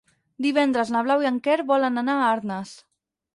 Divendres na Blau i en Quer volen anar a Arnes.